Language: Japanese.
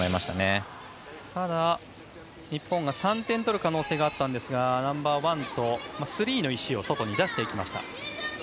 ただ、日本が３点取る可能性があったんですがナンバーワンとスリーの石を外に出していきました。